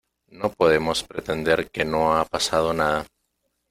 No podemos pretender que no ha pasado nada.